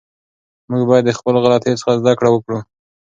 موږ باید د خپلو غلطیو څخه زده کړه وکړو.